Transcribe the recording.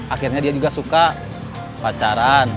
akhirnya dia juga suka pacaran